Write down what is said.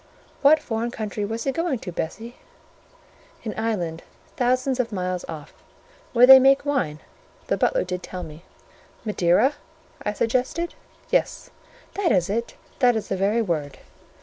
"What foreign country was he going to, Bessie?" "An island thousands of miles off, where they make wine—the butler did tell me—" "Madeira?" I suggested. "Yes, that is it—that is the very word."